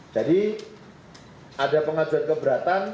jadi ada pengajuan keberatan